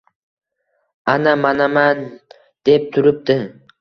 Ana, manaman, deb turibdi.